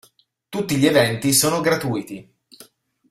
Tutti gli eventi sono gratuiti.